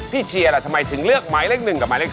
เชียร์ล่ะทำไมถึงเลือกหมายเลข๑กับหมายเลข๓